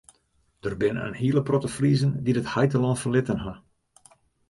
Der binne in hiele protte Friezen dy't it heitelân ferlitten ha.